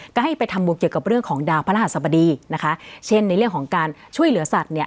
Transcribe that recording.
ก็ให้ไปทำบุญเกี่ยวกับเรื่องของดาวพระรหัสบดีนะคะเช่นในเรื่องของการช่วยเหลือสัตว์เนี่ย